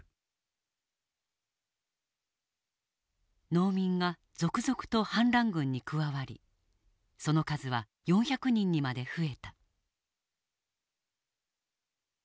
農民が続々と反乱軍に加わりその数は４００人にまで増えた。